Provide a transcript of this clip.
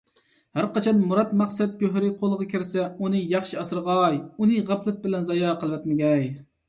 ھەرقاچان مۇراد - مەقسەت گۆھىرى قولغا كىرسە، ئۇنى ياخشى ئاسرىغاي، ئۇنى غەپلەت بىلەن زايە قىلىۋەتمىگەي.